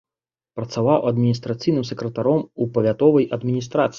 Працаваў адміністрацыйным сакратаром у павятовай адміністрацыі.